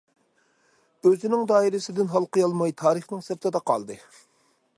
ئۆزىنىڭ دائىرىسىدىن ھالقىيالماي تارىخنىڭ سىرتىدا قالدى.